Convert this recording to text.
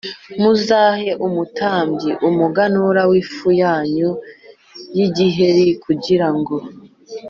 Muzahe umutambyi umuganura w ifu yanyu y igiheri kugira